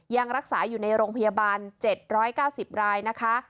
ยังรักษาอยู่ในโรงพยาบาล๗๙๐รายนะคะ